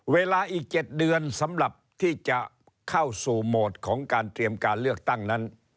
เวลาอีก๗เดือนสำหรับที่จะเข้าสู่โหมดของการเตรียมการเลือกตั้งนั้น